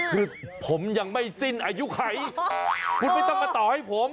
คือผมยังไม่สิ้นอายุไขคุณไม่ต้องมาต่อให้ผม